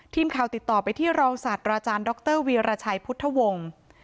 ทีมข่าวติดต่อไปที่รองศาสตราจารย์ดรวีรชัยพุทธวงศ์